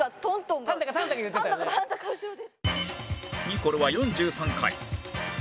ニコルは４３回